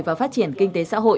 và phát triển kinh tế xã hội